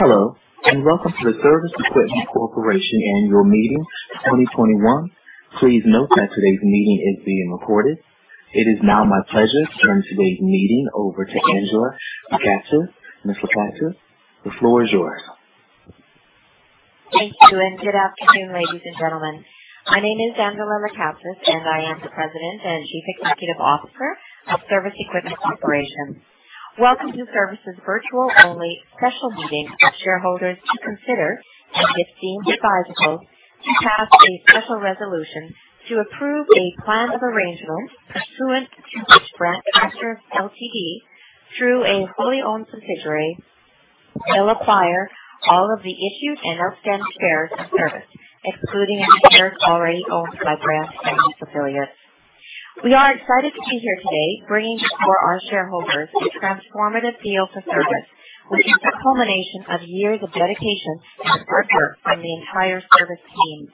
Hello, welcome to the Cervus Equipment Corporation Annual Meeting 2021. Please note that today's meeting is being recorded. It is now my pleasure to turn today's meeting over to Angela Lekatsas. Ms. Lekatsas, the floor is yours. Thank you, and good afternoon, ladies and gentlemen. My name is Angela Lekatsas, and I am the President and Chief Executive Officer of Cervus Equipment Corporation. Welcome to Cervus's virtual-only special meeting of shareholders to consider, and if deemed advisable, to pass a special resolution to approve a plan of arrangement pursuant to which Brandt Tractor Ltd, through a wholly owned subsidiary, will acquire all of the issued and outstanding shares of Cervus, excluding any shares already owned by Brandt and its affiliates. We are excited to be here today, bringing before our shareholders a transformative deal to Cervus, which is the culmination of years of dedication and hard work from the entire Cervus team.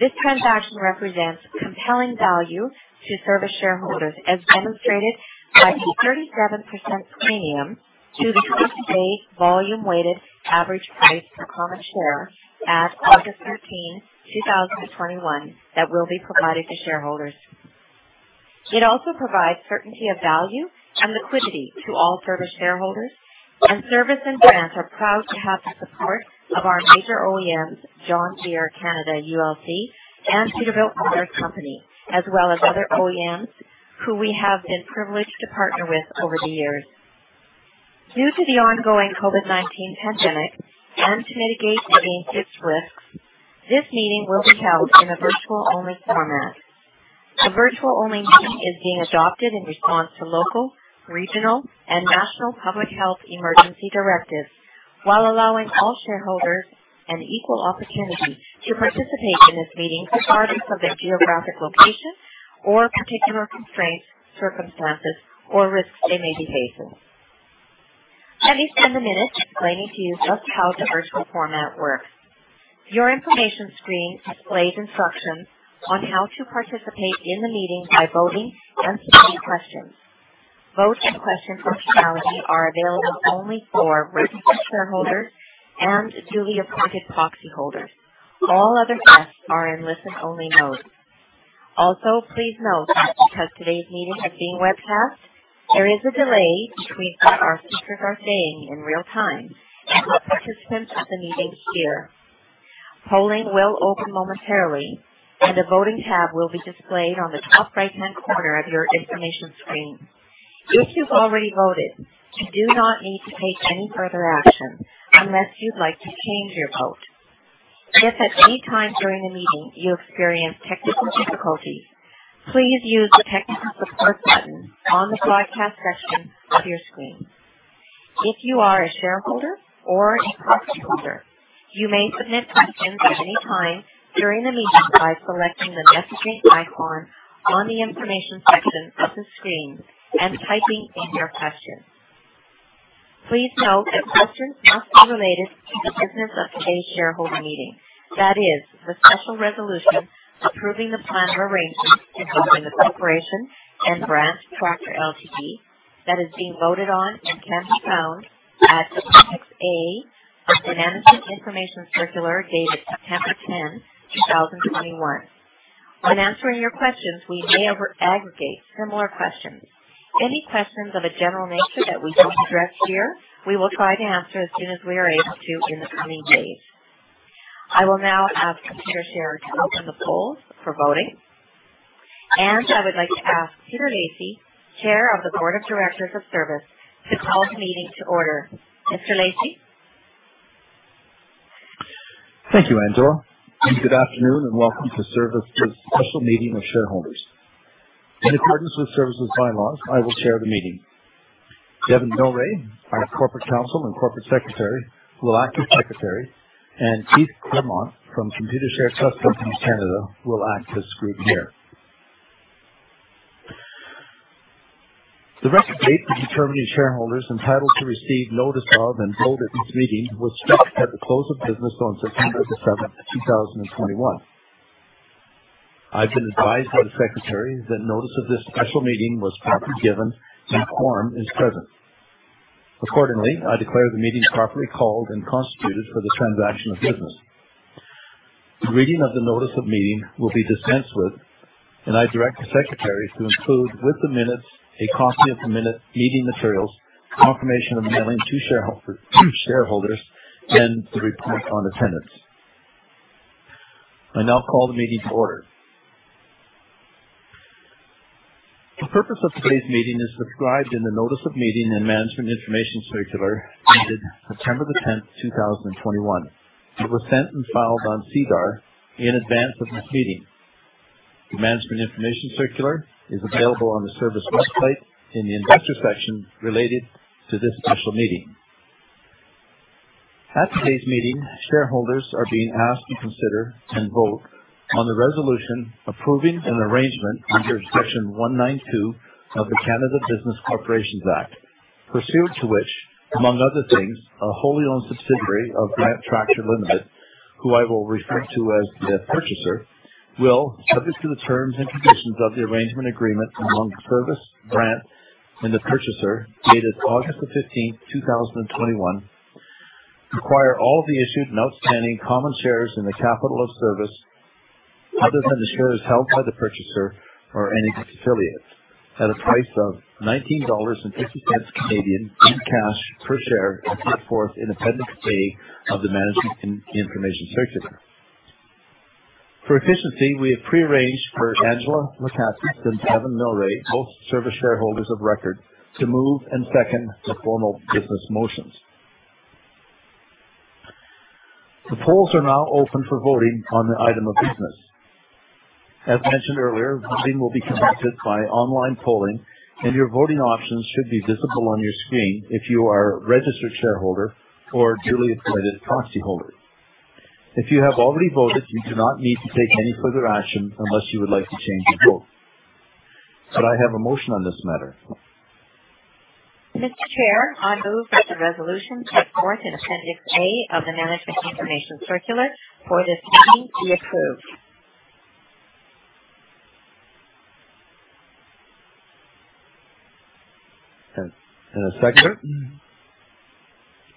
This transaction represents compelling value to Cervus shareholders, as demonstrated by a 37% premium to the 28 volume weighted average price per common share as of August 13, 2021 that will be provided to shareholders. It also provides certainty of value and liquidity to all Cervus shareholders, and Cervus and Brandt are proud to have the support of our major OEMs, John Deere Canada ULC and Peterbilt Motors Company, as well as other OEMs who we have been privileged to partner with over the years. Due to the ongoing COVID-19 pandemic and to mitigate and contain risks, this meeting will be held in a virtual-only format. The virtual-only meeting is being adopted in response to local, regional, and national public health emergency directives while allowing all shareholders an equal opportunity to participate in this meeting regardless of their geographic location or particular constraints, circumstances, or risks they may be facing. Let me spend a minute explaining to you just how the virtual format works. Your information screen displays instructions on how to participate in the meeting by voting and submitting questions. Vote and question functionality are available only for registered shareholders and duly appointed proxyholders. All other guests are in listen-only mode. Also, please note that because today's meeting is being webcast, there is a delay between what our speakers are saying in real time and what participants of the meeting hear. Polling will open momentarily, and a voting tab will be displayed on the top right-hand corner of your information screen. If you've already voted, you do not need to take any further action unless you'd like to change your vote. If at any time during the meeting you experience technical difficulties, please use the Technical Support button on the Broadcast section of your screen. If you are a shareholder or a proxyholder, you may submit questions at any time during the meeting by selecting the messaging icon on the information section of the screen and typing in your question. Please note that questions must be related to the business of today's shareholder meeting. That is the special resolution approving the plan of arrangement between the corporation and Brandt Tractor Ltd that is being voted on and can be found at Appendix A of the Management Information Circular dated September 10, 2021. When answering your questions, we may over aggregate similar questions. Any questions of a general nature that we don't address here, we will try to answer as soon as we are able to in the coming days. I will now ask Computershare to open the polls for voting, and I would like to ask Peter Lacey, Chair of the Board of Directors of Cervus, to call the meeting to order. Mr. Lacey? Thank you, Angela. Good afternoon, welcome to Cervus's special meeting of shareholders. In accordance with Cervus's bylaws, I will Chair the meeting. Devin Mylrea, our Corporate Counsel and Corporate Secretary, will act as Secretary, and Keith Clermont from Computershare Trust Company of Canada will act as Scrutineer. The record date to determine if shareholders entitled to receive notice of and vote at this meeting was fixed at the close of business on September 7th, 2021. I've been advised by the Secretary that notice of this special meeting was properly given, since quorum is present. Accordingly, I declare the meeting properly called and constituted for the transaction of business. The reading of the notice of meeting will be dispensed with, I direct the Secretary to include with the minutes a copy of the minute meeting materials, confirmation of mailing to shareholders, and the report on attendance. I now call the meeting to order. The purpose of today's meeting is described in the Notice of Meeting and Management Information Circular dated September 10th, 2021. It was sent and filed on SEDAR in advance of this meeting. The Management Information Circular is available on the Cervus website in the Investor section related to this special meeting. At today's meeting, shareholders are being asked to consider and vote on the resolution approving an arrangement with jurisdiction 192 of the Canada Business Corporations Act, pursuant to which, among other things, a wholly owned subsidiary of Brandt Tractor Ltd., who I will refer to as the Purchaser, will, subject to the terms and conditions of the arrangement agreement among Cervus, Brandt, and the purchaser, dated August 15th, 2021, acquire all the issued and outstanding common shares in the capital of Cervus other than the shares held by the Purchaser or any affiliate, at a price of 19.50 Canadian dollars in cash per share as set forth in Appendix A of the Management Information Circular. For efficiency, we have pre-arranged for Angela Lekatsas and Devin Mylrea, both Cervus shareholders of record, to move and second the formal business motions. The polls are now open for voting on the item of business. As mentioned earlier, voting will be conducted by online polling, and your voting options should be visible on your screen if you are a registered shareholder or duly appointed proxyholder. If you have already voted, you do not need to take any further action unless you would like to change your vote. Could I have a motion on this matter? Mr. Chair, I move that the resolution set forth in Appendix A of the Management Information Circular for this meeting be approved. A seconder? Mr.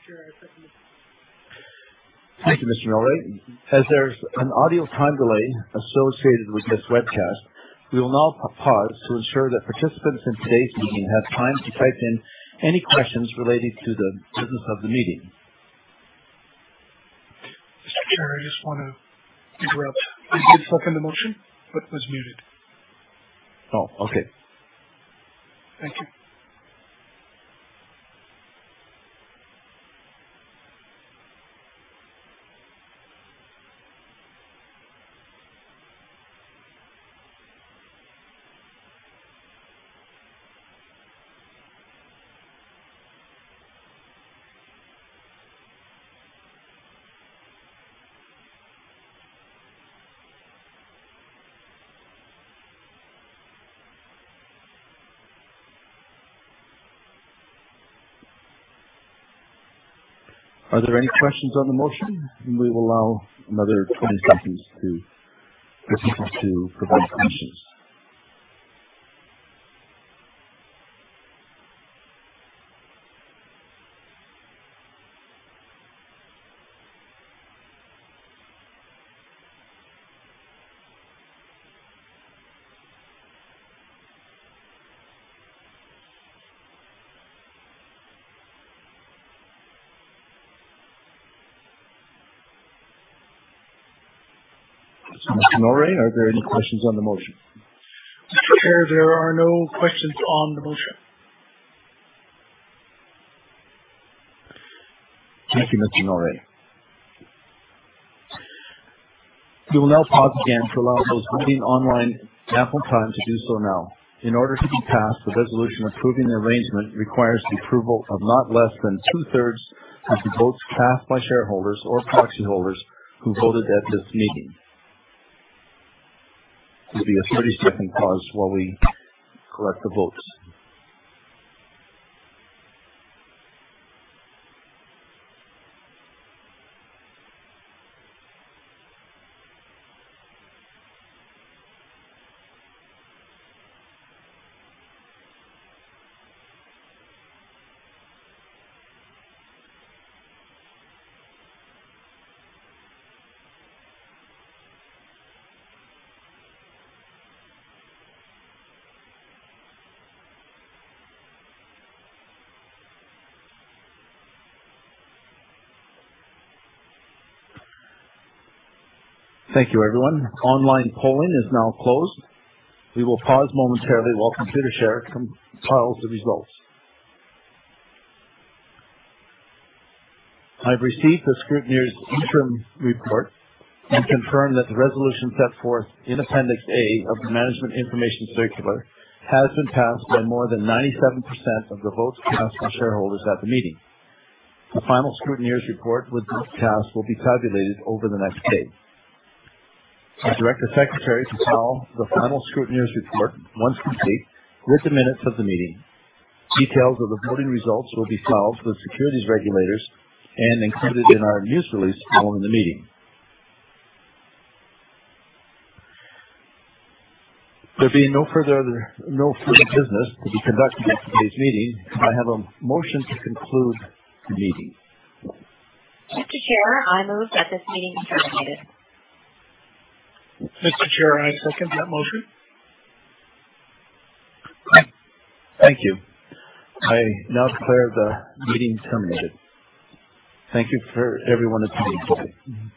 Chair, I second the motion. Thank you, Mr. Mylrea. As there's an audio time delay associated with this webcast, we will now pause to ensure that participants in today's meeting have time to type in any questions related to the business of the meeting. Mr. Chair, I just wanna interrupt. I did second the motion, but was muted. Oh, okay. Thank you. Are there any questions on the motion? We will allow another 20 seconds to participants to provide questions. Mr. Mylrea, are there any questions on the motion? Mr. Chair, there are no questions on the motion. Thank you, Mr. Mylrea. We will now pause again to allow those voting online ample time to do so now. In order to be passed, the resolution approving the arrangement requires the approval of not less than 2/3 of the votes cast by shareholders or proxyholders who voted at this meeting. There will be a 30-second pause while we collect the votes. Thank you, everyone. Online polling is now closed. We will pause momentarily while Computershare compiles the results. I've received the Scrutineer's interim report and confirm that the resolution set forth in Appendix A of the Management Information Circular has been passed by more than 97% of the votes cast by shareholders at the meeting. The final Scrutineer's report with votes cast will be tabulated over the next days. I direct the Secretary to file the final Scrutineer's report once complete with the minutes of the meeting. Details of the voting results will be filed with securities regulators and included in our news release following the meeting. There being no further business to be conducted at today's meeting, could I have a motion to conclude the meeting? Mr. Chair, I move that this meeting be terminated. Mr. Chair, I second that motion. Thank you. I now declare the meeting terminated. Thank you for everyone attending today.